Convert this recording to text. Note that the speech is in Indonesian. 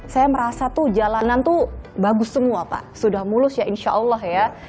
saya merasa tuh jalanan tuh bagus semua pak sudah mulus ya insya allah ya